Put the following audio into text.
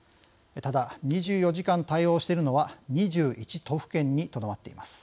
ただ、２４時間対応しているのは２１都府県にとどまっています。